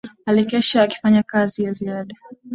Alikesha akifanya kazi ya ziada